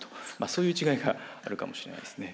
そういう違いがあるかもしれないですね。